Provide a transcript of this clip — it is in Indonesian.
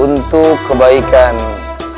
untuk kebaikan kita